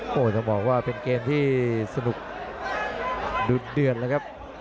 โหต้องบอกว่าเป็นเกมที่สนุกดุ้นเดือนแล้วครับ